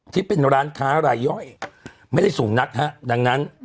ที่เป็นร้านค้ารายย่อยไม่ได้สูงนักฮะดังนั้น